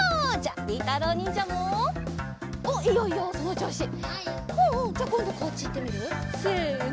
じゃあこんどこっちいってみる？せの。